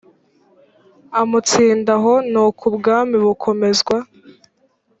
amutsinda aho nuko ubwami bukomezwa